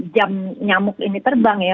jam nyamuk ini terbang ya